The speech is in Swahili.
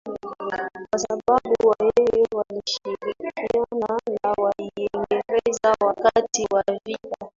kwa sababu Wahehe walishirikiana na Waingereza wakati wa vita